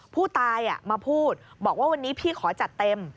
ผู้ตายมาพูดบอกว่าวันนี้พี่ขอจัดเต็ม